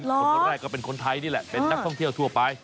คนแรกก็เป็นคนไทยนี่แหละเป็นนักท่องเที่ยวทั่วไป